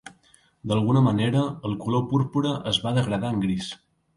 D'alguna manera, el color púrpura es va degradar en gris.